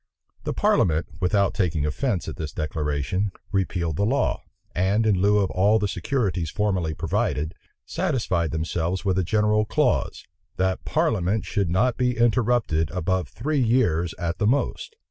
The parliament, without taking offence at this declaration, repealed the law; and in lieu of all the securities formerly provided, satisfied themselves with a general clause, "that parliament should not be interrupted above three years at the most."